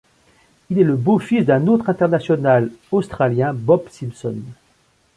Il est le beau-fils d'un autre international australien, Bob Simpson.